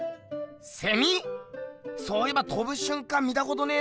セミ⁉そういえばとぶしゅんかん見たことねえな。